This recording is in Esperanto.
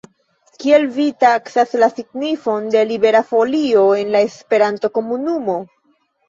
Kiel vi taksas la signifon de Libera Folio por la Esperanto-komunumo?